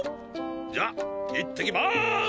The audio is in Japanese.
じゃ行ってきます！